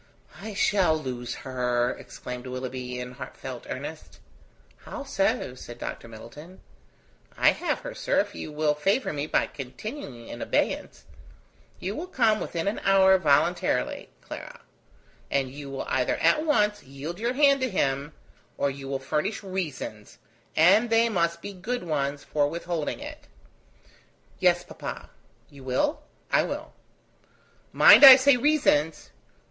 "I shall lose her," exclaimed Willoughby, in heartfelt earnest. "How so?" said Dr. Middleton. "I have her, sir, if you will favour me by continuing in abeyance. You will come within an hour voluntarily, Clara; and you will either at once yield your hand to him or you will furnish reasons, and they must be good ones, for withholding it." "Yes, papa." "You will?" "I will." "Mind, I say reasons."